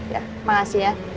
ya terima kasih ya